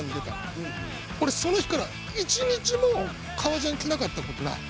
俺その日から一日も革ジャン着なかった事ない。